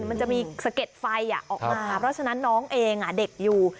มันจะมีสะเก็ดไฟออกมาเพราะฉะนั้นน้องเองเด็กอยู่